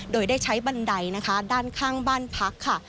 โดยได้ใช้บันไดใต้ด้านข้างบ้านพัก